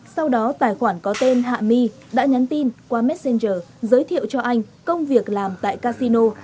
sau đó tài khoản có tên hạ my đã nhắn tin qua messenger giới thiệu cho anh công việc làm tại casino